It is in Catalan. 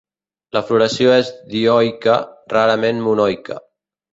La floració és dioica, rarament monoica.